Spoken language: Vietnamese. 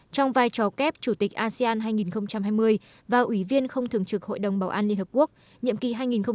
trong vai trò kép chủ tịch asean hai nghìn hai mươi và ủy viên không thường trực hội đồng bảo an liên hợp quốc nhiệm kỳ hai nghìn hai mươi hai nghìn hai mươi một